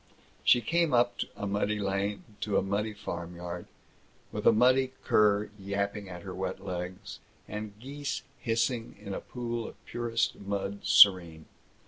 She came up a muddy lane to a muddy farmyard, with a muddy cur yapping at her wet legs, and geese hissing in a pool of purest mud serene.